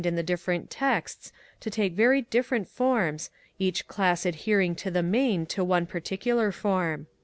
in the different texts to take very different forms, each class adhering in the main to one particular form.